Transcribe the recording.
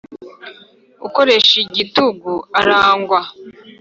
ukoresha igitugu arangwa.